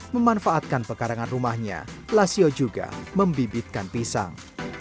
memanfaatkan pekarangan rumahnya lasio juga membibitkan pisang